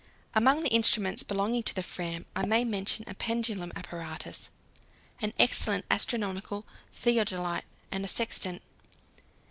Among the instruments belonging to the Fram I may mention a pendulum apparatus, an excellent astronomical theodolite, and a sextant.